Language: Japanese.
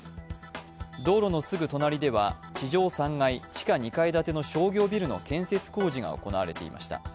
道路のすぐ隣では地上３階地下２階建ての商業ビルの建設工事が行われていました。